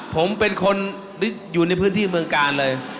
ผมเป็นคนอยู่ในพื้นที่เมืองกาลเลย